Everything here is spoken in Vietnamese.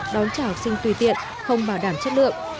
đón trả học sinh tùy tiện không bảo đảm chất lượng